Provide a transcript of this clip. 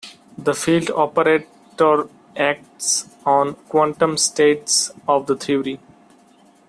The field operator acts on quantum states of the theory.